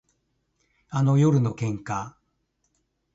あの夜の喧嘩